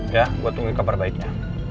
ya gue tunggu kabar baiknya